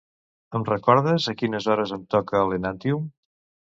Em recordes a quines hores em toca l'Enantyum?